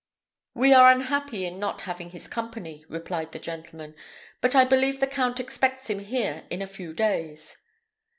"We are unhappy in not having his company," replied the gentleman; "but I believe the count expects him here in a few days."